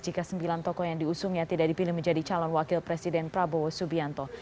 jika sembilan tokoh yang diusungnya tidak dipilih menjadi calon wakil presiden prabowo subianto